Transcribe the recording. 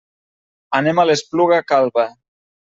Anem a l'Espluga Calba.